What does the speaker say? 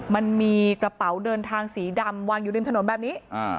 มันมีกระเป๋าเดินทางสีดำวางอยู่ริมถนนแบบนี้